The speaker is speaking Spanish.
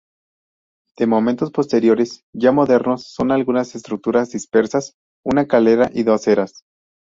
De momentos posteriores, ya modernos, son algunas estructuras dispersas, una calera y dos eras.